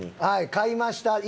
はい買いました。